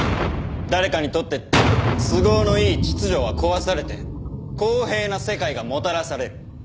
誰かにとって都合のいい秩序は壊されて公平な世界がもたらされる。